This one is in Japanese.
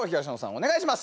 お願いします。